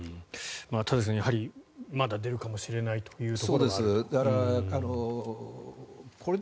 田崎さん、やはりまだ出るかもしれないというところがある。